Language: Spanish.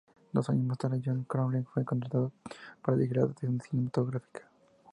Dos años más tarde, John Crowley fue contratado para dirigir la adaptación cinematográfica.